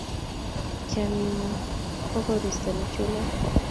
chamiet ng'un ko u koristo nechulat